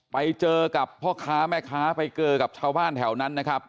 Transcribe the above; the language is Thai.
ไปเจอกับพ่อค้าแม่ค้าไปเจอกับชาวบ้านแถวนั้นนะครับ